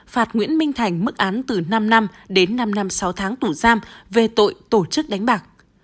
phạt nguyễn minh thành mức án từ năm năm đến năm năm sáu tháng tù giam về tội tổ chức đánh bạc